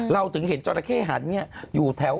เราถึงเห็นจราเข้หันอยู่แถว